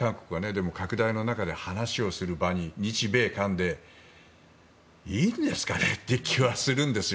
でも拡大の中で話をする場に日米韓でいいんですかねって気はするんですよ。